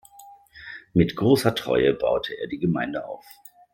Mit großer Treue baute er die Gemeinde auf.